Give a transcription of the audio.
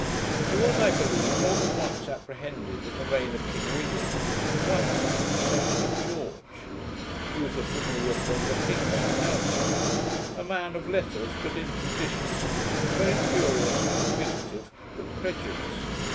He was, I believe, more than once apprehended in the reign of King William, and once at the accession of George. He was the familiar friend of Hicks and Nelson; a man of letters, but injudicious; and very curious and inquisitive, but credulous.